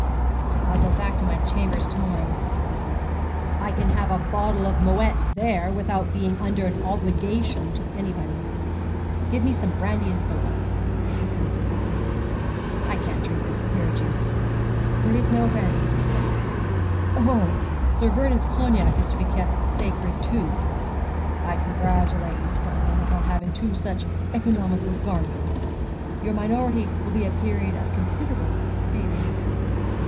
'I'll go back to my chambers to morrow,' he said: 'I can have a bottle of Moët there without being under an obligation to anybody. Give me some brandy and soda,' he said to the butler; 'I can't drink this verjuice.' 'There is no brandy, sir.' 'Oh! Sir Vernon's cognac is to be kept sacred, too. I congratulate you, Vernon, upon having two such economical guardians. Your minority will be a period of considerable saving.'